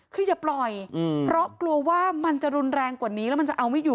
คืออย่าปล่อยเพราะกลัวว่ามันจะรุนแรงกว่านี้แล้วมันจะเอาไม่อยู่